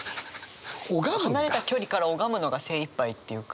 離れた距離から拝むのが精いっぱいっていうか。